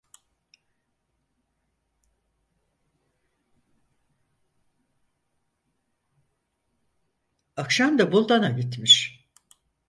Akşam da Buldan'a gitmiş.